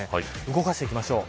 動かしていきましょう。